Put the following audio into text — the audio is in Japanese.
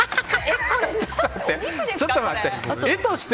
ちょっと待って！